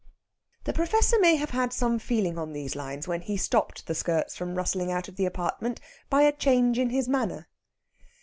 The Professor may have had some feeling on these lines when he stopped the skirts from rustling out of the apartment by a change in his manner.